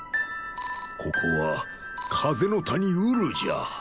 ここは風の谷ウルじゃ。